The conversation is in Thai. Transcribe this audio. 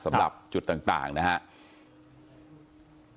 สำหรับจุดต่างนะครับ